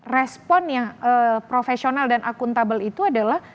respon yang profesional dan akuntabel itu adalah